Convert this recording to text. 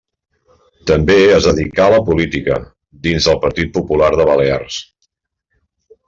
També es dedicà a la política, dins del Partit Popular de Balears.